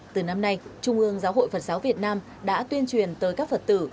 từ năm nay trung ương giáo hội phật giáo việt nam đã tuyên truyền tới các phật tử